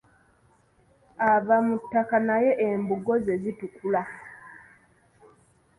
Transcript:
Ava mu ttaka naye embugo ze zitukula.